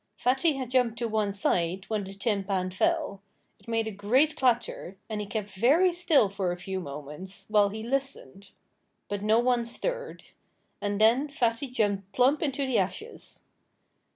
Fatty had jumped to one side, when the tin pan fell. It made a great clatter; and he kept very still for a few moments, while he listened. But no one stirred. And then Fatty jumped plump into the ashes.